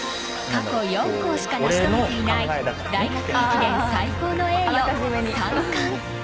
過去４校しか成し遂げていない大学駅伝最高の栄誉、３冠。